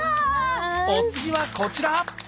お次はこちら！